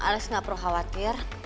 alex gak perlu khawatir